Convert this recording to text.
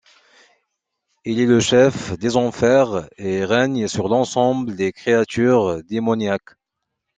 Il est le chef des enfers et règne sur l'ensemble des créatures démoniaques.